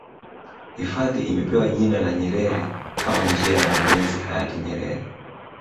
hifadhi imepewa jina la nyerere Kama njia ya kumuenzi hayati nyerere